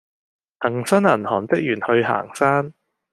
恆生銀行職員去行山